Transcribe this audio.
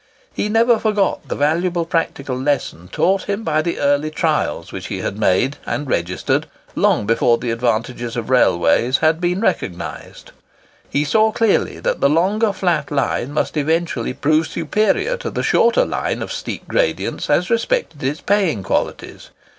He never forgot the valuable practical lesson taught him by the early trials which he had made and registered long before the advantages of railways had been recognised. He saw clearly that the longer flat line must eventually prove superior to the shorter line of steep gradients as respected its paying qualities.